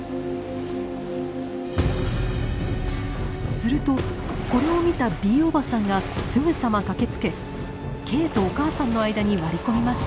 するとこれを見たＢおばさんがすぐさま駆けつけＫとお母さんの間に割り込みました。